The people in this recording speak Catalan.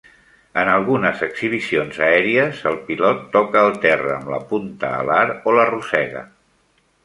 En algunes exhibicions aèries, el pilot toca el terra amb la punta alar o l'arrossega.